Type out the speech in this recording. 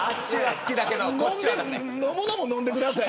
飲むのも飲んでください。